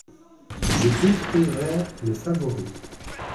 Je détruirai le favori.